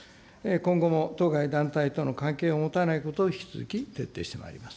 今後も当該団体との関係を持たないことを、引き続き徹底してまいります。